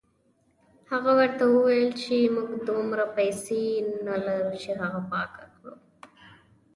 هغه ورته وویل چې موږ دومره پیسې نه لرو چې هغه پاکه کړو.